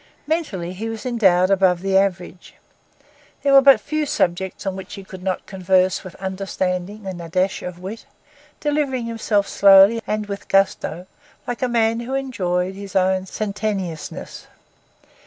Mentally, he was endowed above the average. There were but few subjects on which he could not converse with understanding and a dash of wit; delivering himself slowly and with gusto like a man who enjoyed his own sententiousness.